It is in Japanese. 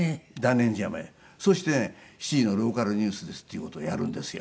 そしてね７時のローカルニュースですっていう事をやるんですよ。